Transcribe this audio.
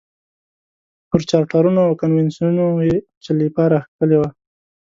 پر چارټرونو او کنونسینونو یې چلیپا راښکلې ده.